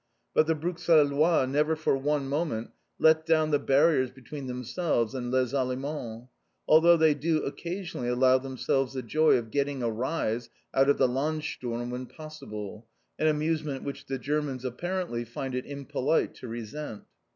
But the Bruxellois never for one moment let down the barriers between themselves and "les Allemands," although they do occasionally allow themselves the joy of "getting a rise" out of the Landsturm when possible, an amusement which the Germans apparently find it impolite to resent!